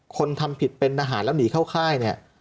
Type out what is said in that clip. คนทำผิดเป็นทหารแล้วหนีเข้าค่ายเนี่ย